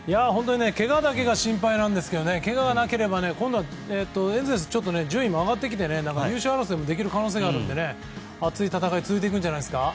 けがだけが心配なんですけどねけががなければエンゼルス順位も上がってきて優勝争いできる可能性もあるので熱い戦い続いていくんじゃないですか。